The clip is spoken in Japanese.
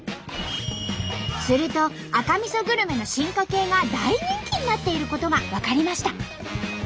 すると赤みそグルメの進化系が大人気になっていることが分かりました。